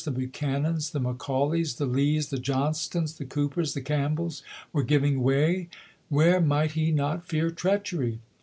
the Buchanans, the McCauleys, the Lees, the Johnstons, the Coopers, the Campbells were giv ing way, where might he not fear treachery?